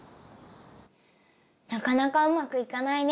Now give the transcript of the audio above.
なかなかうまくいかないね。